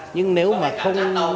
nhưng nếu mà không